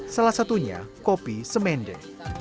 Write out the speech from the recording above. salah satunya kopi semendir